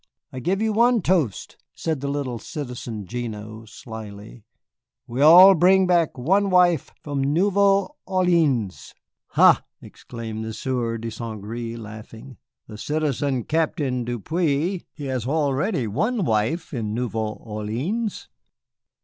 "I give you one toast," said the little Citizen Gignoux, slyly, "we all bring back one wife from Nouvelle Orléans!" "Ha," exclaimed the Sieur de St. Gré, laughing, "the Citizen Captain Depeau he has already one wife in Nouvelle Orléans."